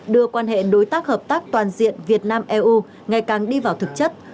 đưa quan hệ đối tác hợp tác toàn diện việt nam eu ngày càng đi vào thực chất